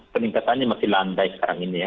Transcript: peningkatannya masih landai sekarang ini ya